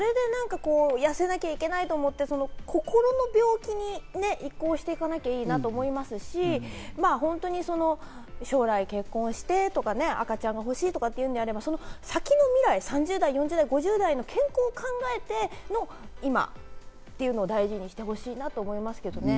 それで痩せなきゃいけないと思って、心の病気に移行して行かなきゃいいなと思いますし、本当に将来結婚してとか、赤ちゃんがほしいというのであれば、その先の未来、３０代・４０代・５０代の健康を考えて、今というのを大事にしてほしいなと思いますけどね。